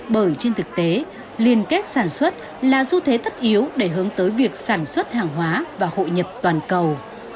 bởi trên thực tế liên kết sản xuất là du thế tất yếu để hướng tới việc sản xuất hàng hóa và hội nhập toàn cầu